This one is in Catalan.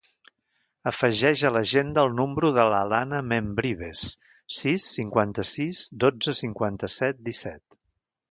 Afegeix a l'agenda el número de l'Alana Membrives: sis, cinquanta-sis, dotze, cinquanta-set, disset.